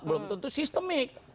belum tentu sistemik